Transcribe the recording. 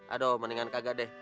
aduh mendingan kagak deh